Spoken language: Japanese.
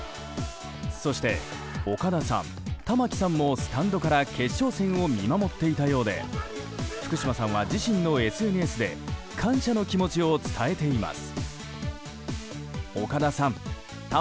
そして、岡田さん、玉木さんもスタンドから決勝戦を見守っていたようで福島さんは自身のＳＮＳで感謝の気持ちを伝えています。